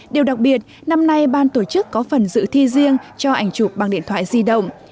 điều đặc biệt năm nay ban tổ chức có phần dự thi riêng cho ảnh chụp bằng điện thoại di động